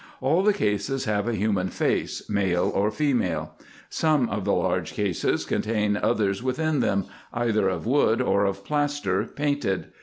All the cases have a human face, male or female. Some of the large cases contain others within them, either of wood or of plaster, painted.